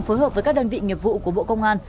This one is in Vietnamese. phối hợp với các đơn vị nghiệp vụ của bộ công an